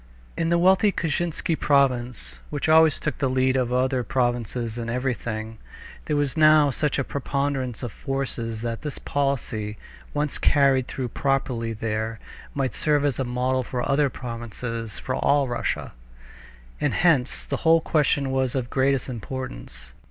In the wealthy Kashinsky province, which always took the lead of other provinces in everything, there was now such a preponderance of forces that this policy, once carried through properly there, might serve as a model for other provinces for all Russia. And hence the whole question was of the greatest importance.